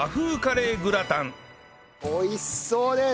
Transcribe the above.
美味しそうです！